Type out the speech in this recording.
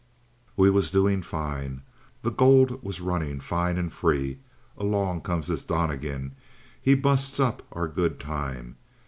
"We was doing fine. The gold was running fine and free. Along comes this Donnegan. He busts up our good time.